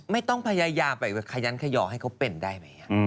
ไม่ต้องพยายามไปขยันขยอให้เขาเป็นได้ไหม